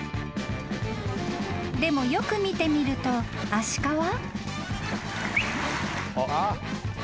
［でもよく見てみるとアシカは］